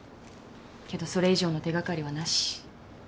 けどそれ以上の手がかりはなし。